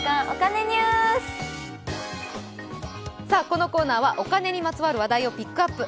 このコーナーはお金にまつわる話題をピックアップ。